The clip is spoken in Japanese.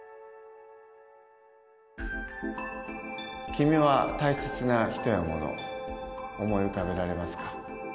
君は大切な人やもの思い浮かべられますか？